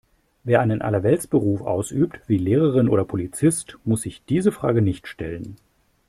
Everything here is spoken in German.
Wer einen Allerweltsberuf ausübt, wie Lehrerin oder Polizist, muss sich diese Frage nicht stellen.